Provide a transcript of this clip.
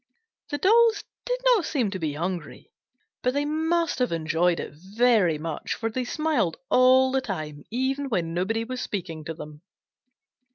The dolls did not seem to be hungry, but they must have enjoyed it very much, for they smiled all the time, even when nobody was speaking to them.